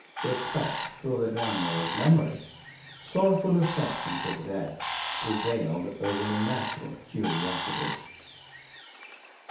Respect for their grandmother's memory, sorrowful affection for the dead, prevailed over natural curiosity.